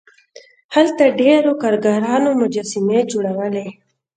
هلته ډیرو کارګرانو مجسمې جوړولې.